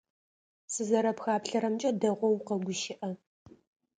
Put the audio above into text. Сызэрэпхаплъэрэмкӏэ, дэгъоу укъэгущыӏэ.